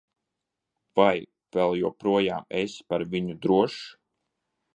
Vai vēl joprojām esi par viņu drošs?